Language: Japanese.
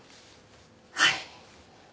はい。